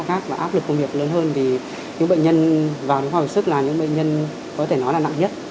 áp lực công việc lớn hơn thì những bệnh nhân vào đến khoa học sức là những bệnh nhân có thể nói là nặng nhất